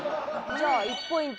じゃあ１ポイント。